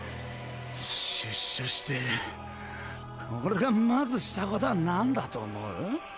出所して俺がまずしたことは何だと思う？